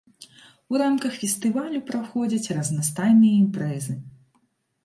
У рамках фестывалю праходзяць разнастайныя імпрэзы.